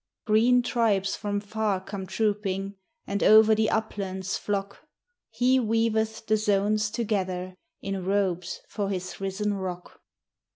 Green tribes from far come trooping, And over the uplands flock; He weaveth the zones together In robes for his risen rock.